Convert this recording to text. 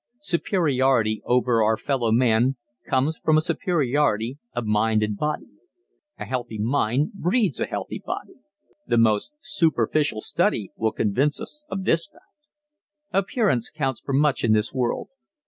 Superiority over our fellow man comes from a superiority of mind and body. A healthy mind breeds a healthy body. The most superficial study will convince us of this fact. Appearance counts for much in this world.